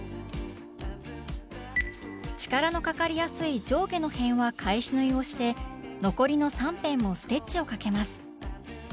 力のかかりやすい上下の辺は返し縫いをして残りの３辺もステッチをかけます